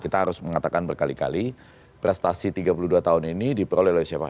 kita harus mengatakan berkali kali prestasi tiga puluh dua tahun ini diperoleh oleh siapa